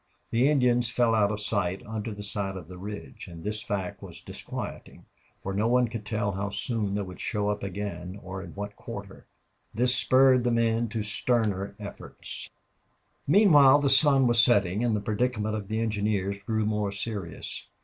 The Indians fell out of sight under the side of the ridge, and this fact was disquieting, for no one could tell how soon they would show up again or in what quarter. This spurred the men to sterner efforts. Meanwhile the sun was setting and the predicament of the engineers grew more serious.